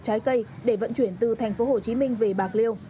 trái cây để vận chuyển từ thành phố hồ chí minh về bạc liêu